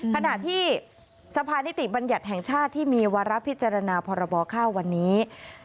ขณะที่สะพานนิติบัญญัติแห่งชาติที่มีวาระพิจารณาพรบข้าววันนี้